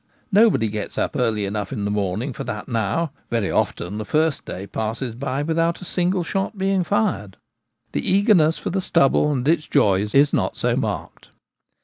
Nobody gets up early enough in the morning for that now : very often the first day passes by without a single shot being fired. The eagerness for the stubble and its joys is not so marked.